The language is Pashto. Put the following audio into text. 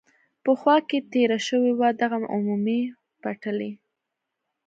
په خوا کې تېره شوې وه، دغه عمومي پټلۍ.